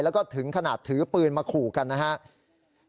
แล้วก็ถึงขนาดถือปืนมาขู่กันนะครับ